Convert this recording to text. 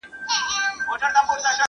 استاد څرګنده کړه چي شخصي ملکیت فطري دی.